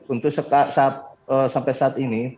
untuk sampai saat ini